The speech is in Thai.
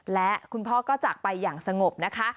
และคุณพ่อก็จากไปอย่างสงบนะคะ